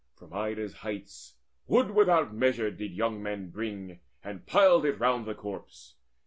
From Ida's heights Wood without measure did the young men bring, And piled it round the corpse.